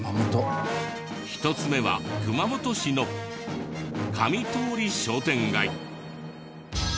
１つ目は熊本市の上通商店街。